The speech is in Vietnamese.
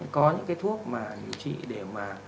có những thuốc mà điều trị để mà